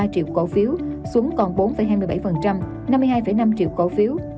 một trăm tám mươi năm ba triệu cổ phiếu xuống còn bốn hai mươi bảy năm mươi hai năm triệu cổ phiếu